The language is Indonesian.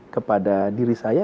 kepada diri saya